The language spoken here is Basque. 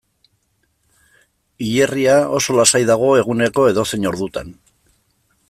Hilerria oso lasai dago eguneko edozein ordutan.